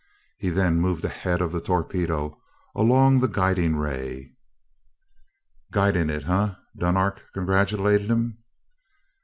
He then moved ahead of the torpedo, along the guiding ray. "Guiding it, eh?" Dunark congratulated him.